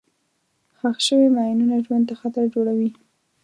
ښخ شوي ماینونه ژوند ته خطر جوړوي.